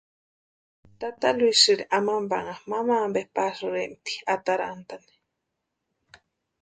Tata Luisiri amampanha mamampe pasïrempti atarantani.